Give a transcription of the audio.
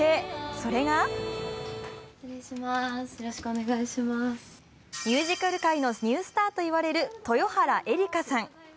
それがミュージカル界のニュースターと言われる豊原江理佳さん。